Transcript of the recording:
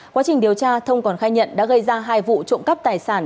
quá trình điều tra thông còn khai nhận đã gây ra hai vụ trộm cắp tài sản